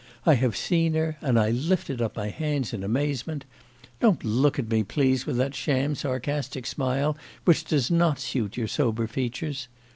I have seen her and I lifted up my hands in amazement. Don't look at me, please, with that sham sarcastic smile, which does not suit your sober features.